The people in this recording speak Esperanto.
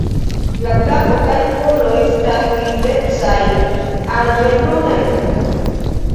La kapo kaj kolo estas grizecaj al helbrunaj.